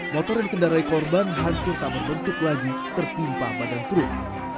motor yang dikendarai korban hancur tak berbentuk lagi tertimpa badan truk